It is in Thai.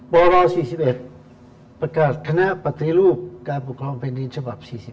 ปร๔๑ประกาศคณะปฏิรูปการปกครองแผ่นดินฉบับ๔๑